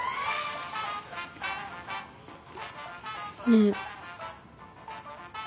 ねえ。